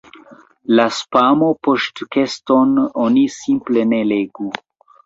La "spamo-"poŝtkeston oni simple ne legu.